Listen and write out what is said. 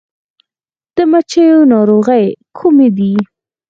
د مچیو ناروغۍ کومې دي؟